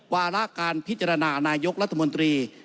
วาระการพิจารณานายกรัฐมนตรี